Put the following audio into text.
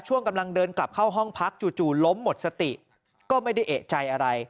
กำลังเดินกลับเข้าห้องพักจู่ล้มหมดสติก็ไม่ได้เอกใจอะไร